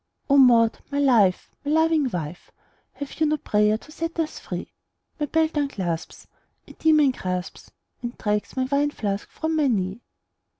"O Maud, my life! my loving wife! Have you no prayer to set us free? My belt unclasps, a demon grasps And drags my wine flask from my knee!"